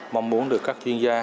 mong muốn được các chuyên gia